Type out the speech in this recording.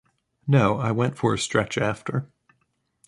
No; I went for a stretch after.